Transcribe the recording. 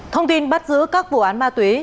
thông tin bắt giữ các vụ án ma túy